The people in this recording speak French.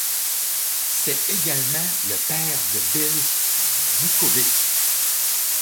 C'est également le père de Bill Vukovich.